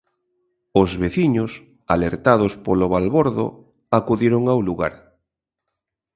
Os veciños, alertados polo balbordo, acudiron ao lugar.